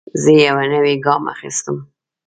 زه یو نوی ګام اخیستم.